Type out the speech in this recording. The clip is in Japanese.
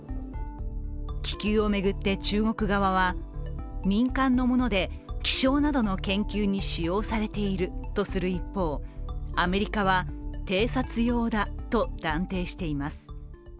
気球を巡って中国側は民間のもので気象などの研究に使用されているとする一方アメリカは偵察用だと断定しています。